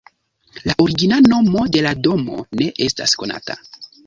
La origina nomo de la domo ne estas konata.